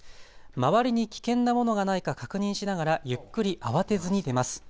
周りに危険なものがないか確認しながらゆっくり慌てずに出ます。